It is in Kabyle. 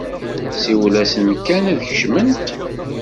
Siwel-asent kan ad d-kecment!